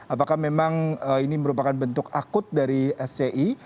apakah memang ini merupakan bentuk akut dari sci